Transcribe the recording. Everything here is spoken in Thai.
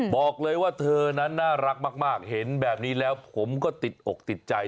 บอกเลยว่าเธอนั้นน่ารักมากเห็นแบบนี้แล้วผมก็ติดอกติดใจ